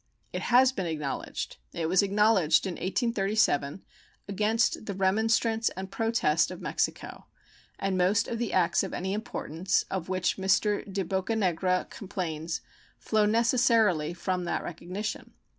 It has been acknowledged; it was acknowledged in 1837 against the remonstrance and protest of Mexico, and most of the acts of any importance of which Mr. De Bocanegra complains flow necessarily from that recognition.